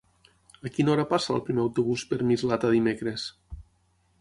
A quina hora passa el primer autobús per Mislata dimecres?